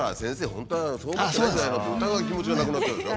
本当はそう思ってないんじゃないの？って疑う気持ちがなくなっちゃうでしょ。